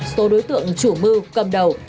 số đối tượng chủ mưu cầm đầu